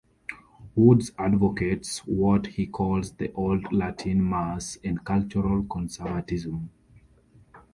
Woods advocates what he calls the Old Latin Mass and cultural conservatism.